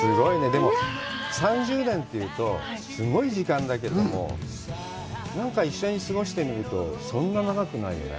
でも３０年というとすごい時間だけれども、なんか一緒に過ごしてみるとそんな長くないよね？